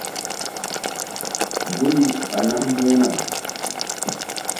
Guri ɓa nam mbu̧h na.